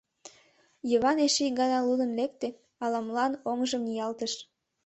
Йыван эше ик гана лудын лекте, ала-молан оҥжым ниялтыш.